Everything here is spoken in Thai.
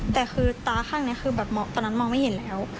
แต่คือตาข้างนี้คือแบบตอนนั้นมองไม่เห็นแล้ว